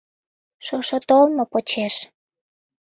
Шошо толмо почеш.